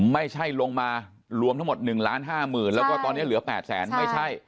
ไม่ใช่ลงมารวมทั้งหมด๑ล้านห้าหมื่นแล้วก็ตอนนี้เหลือ๘แสนไม่ใช่